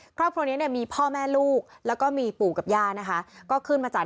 ครอบครัวนี้มีพ่อแม่ลูกแล้วก็มีปู่กับย่านะคะ